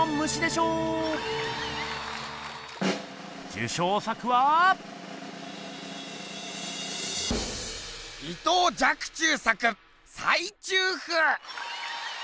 受賞作は⁉伊藤若冲作「菜蟲譜」！